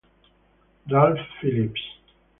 Ralph Phillips